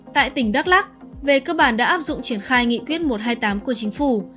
tại tỉnh đắk lắc về cơ bản đã áp dụng triển khai nghị quyết một trăm hai mươi tám của chính phủ